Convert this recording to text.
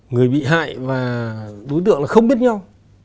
người bị hại và đối tượng là không biết nhau